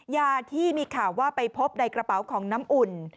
ยาที่มีข่าวว่าไปพบในกระเป๋าของน้ำอุ่น